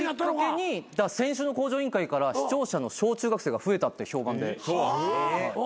先週の『向上委員会』から視聴者の小中学生が増えたって評判で。